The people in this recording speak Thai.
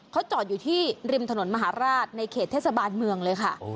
เขาจอดอยู่ที่ริมถนนมหาราชในเขตเทศบาลเมืองเลยค่ะ